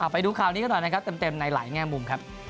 ไปดูข่าวนี้หน่อยเต็มในหลายแง่มุม